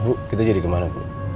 ma bu kita jadi kemana ma